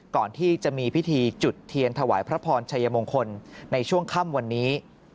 ก่อนที่จะมีพิธีจุดเทียนถวายพระพรชัยมงคลในช่วงค่ำวันนี้